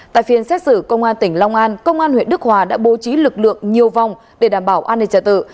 tại phiên xét xử công an tỉnh long an công an huyện đức hòa đã bố trí lực lượng nhiều vòng để đảm bảo an ninh trả tự